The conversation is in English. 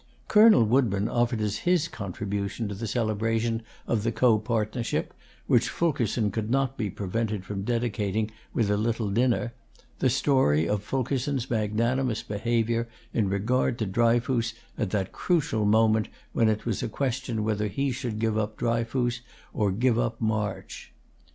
Colonel Woodburn offered as his contribution to the celebration of the copartnership, which Fulkerson could not be prevented from dedicating with a little dinner, the story of Fulkerson's magnanimous behavior in regard to Dryfoos at that crucial moment when it was a question whether he should give up Dryfoos or give up March.